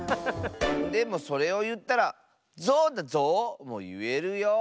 でもそれをいったら「ゾウだゾウ」もいえるよ。